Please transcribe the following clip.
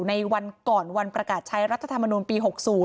ในวันก่อนวันประกาศใช้รัฐธรรมนุนปี๖๐